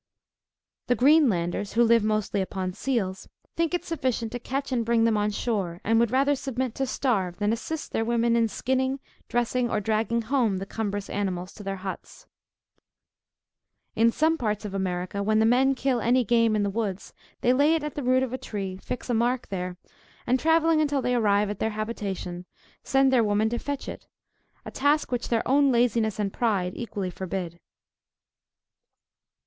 The Greenlanders, who live mostly upon seals, think it sufficient to catch and bring them on shore; and would rather submit to starve than assist their women in skinning, dressing, or dragging home the cumbrous animals to their huts. In some parts of America, when the men kill any game in the woods, they lay it at the root of a tree, fix a mark there, and travelling until they arrive at their habitation, send their women to fetch it, a task which their own laziness and pride equally forbid.